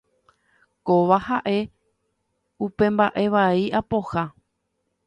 Kóva ha'e upe mba'e vai apoha.